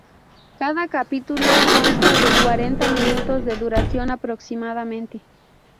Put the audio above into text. Cada capítulo consta de cuarenta minutos de duración aproximadamente.